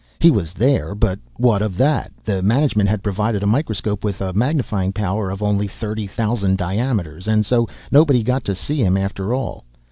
He was there, but what of that? The management had provided a microscope with a magnifying power of only thirty thousand diameters, and so nobody got to see him, after all.